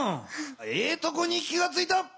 ええとこに気がついた。